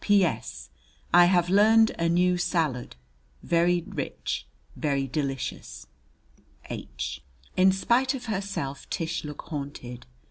P.S. I have lerned a new salud very rich, but delissious. H. In spite of herself, Tish looked haunted.